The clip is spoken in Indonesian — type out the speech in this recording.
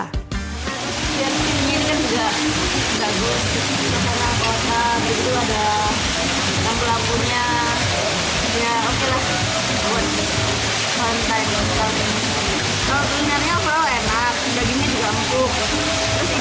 kalau kulinernya apa enak